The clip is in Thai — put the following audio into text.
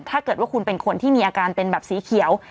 ถ้าเกิดว่าคุณเป็นคนที่มีอาการเป็นแบบสีเขียว